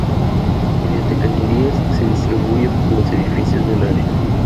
Mediante cañerías se distribuye por los edificios del área.